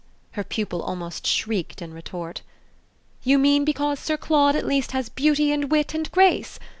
her pupil almost shrieked in retort. "You mean because Sir Claude at least has beauty and wit and grace?